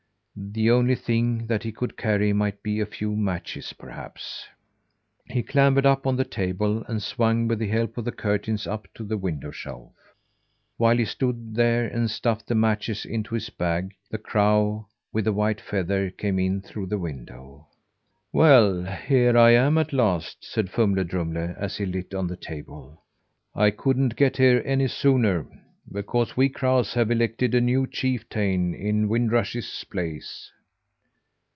The only things that he could carry might be a few matches perhaps. He clambered up on the table, and swung with the help of the curtains up to the window shelf. While he stood there and stuffed the matches into his bag, the crow with the white feather came in through the window. "Well here I am at last," said Fumle Drumle as he lit on the table. "I couldn't get here any sooner because we crows have elected a new chieftain in Wind Rush's place."